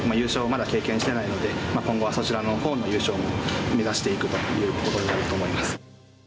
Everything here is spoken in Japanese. まだ経験してないので今後はそちらの方の優勝も目指していくということになると思います。